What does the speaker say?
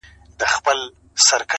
راباندي گرانه خو يې.